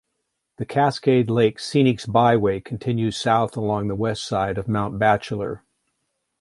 The Cascade Lakes Scenic Byway continues south along the west side of Mount Bachelor.